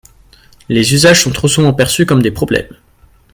Les usages sont trop souvent perçus comme des problèmes.